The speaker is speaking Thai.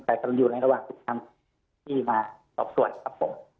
แต่กำลังอยู่ในระหว่างทุกคำที่มาสอบส่วนครับผม